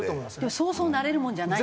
そうそうなれるもんじゃない？